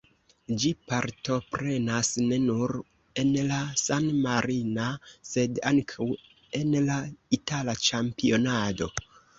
Ĝi partoprenas ne nur en la san-marina, sed ankaŭ en la itala ĉampionado.